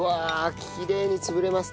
きれいに潰れます。